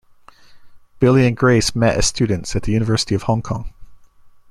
Billy and Grace met as students at the University of Hong Kong.